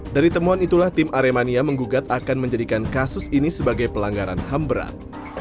dari temuan itulah tim aremania menggugat akan menjadikan kasus ini sebagai pelanggaran ham berat